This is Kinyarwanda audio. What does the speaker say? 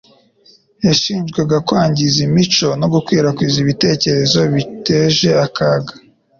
Yashinjwaga kwangiza imico no gukwirakwiza ibitekerezo biteje akaga